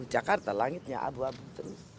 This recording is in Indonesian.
jakarta langitnya abu abu terus